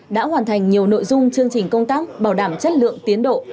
đã hoàn thành nhiều nội dung chương trình công tác bảo đảm chất lượng tiến độ